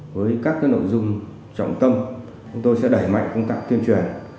với các nội dung trọng tâm chúng tôi sẽ đẩy mạnh công tác tuyên truyền